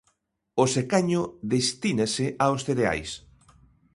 O secaño destínase aos cereais.